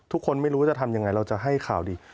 ทุกคนไม่รู้จะทำยังไงเราจะให้ข่าวดี